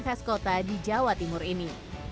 khas kota di jawa timur ini